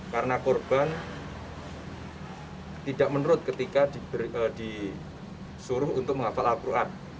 karena korban tidak menurut ketika disuruh untuk menghafal al quran